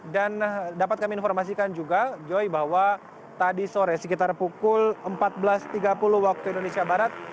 dan dapat kami informasikan juga joy bahwa tadi sore sekitar pukul empat belas tiga puluh waktu indonesia barat